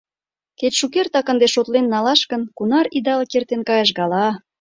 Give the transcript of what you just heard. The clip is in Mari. Кеч шукертак — ынде шотлен налаш гын, кунар идалык эртен кайыш гала?